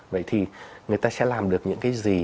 vậy thì người ta sẽ làm được những cái gì